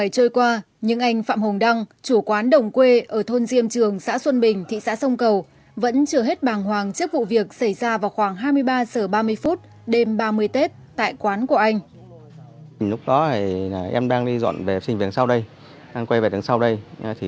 từ ba mươi phút đêm ba mươi tết tại quán của anh